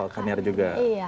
oh kaniar juga